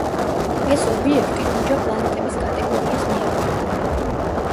ეს ობიექტი ჯუჯა პლანეტების კატეგორიას მიეკუთვნა.